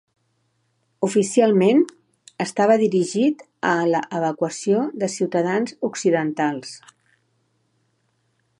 Oficialment, estava dirigit a l'evacuació de ciutadans occidentals.